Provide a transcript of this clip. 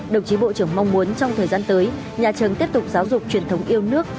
đồng chí bộ trưởng mong muốn trong thời gian tới nhà trường tiếp tục giáo dục truyền thống yêu nước